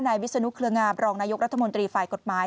วิศนุเครืองามรองนายกรัฐมนตรีฝ่ายกฎหมาย